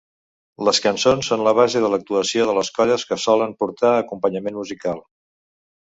Les cançons són la base de l'actuació de les colles que solen portar acompanyament musical.